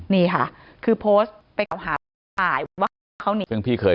นี่ค่ะคือโพสต์ไปเขาหาหายว่าเขาหนี